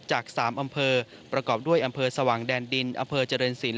จาก๓อำเภอประกอบด้วยอำเภอสว่างแดนดินอำเภอเจริญศิลป